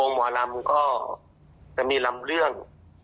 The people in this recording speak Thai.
หมอลำก็จะมีลำเรื่อง